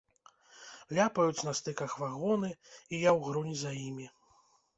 Ляпаюць на стыках вагоны, і я ўгрунь за імі.